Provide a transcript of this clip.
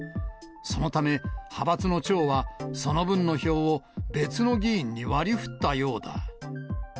そのため、派閥の長は、その分の票を別の議員にわりふったようだ。